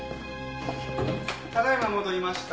ただ今戻りました。